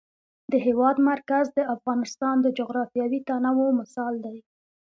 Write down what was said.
د هېواد مرکز د افغانستان د جغرافیوي تنوع مثال دی.